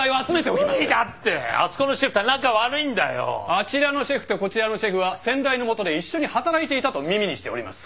あちらのシェフとこちらのシェフは先代の下で一緒に働いていたと耳にしております。